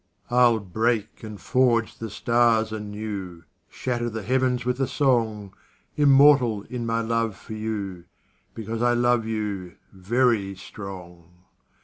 I'll break and forge the stars anew, Shatter the heavens with a song; Immortal in my love for you, Because I love you, very strong.